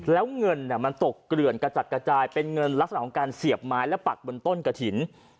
แล้วเงินมันตกเกลื่อนกระจัดกระจายเป็นเงินลักษณะของการเสียบไม้และปักบนต้นกระถิ่น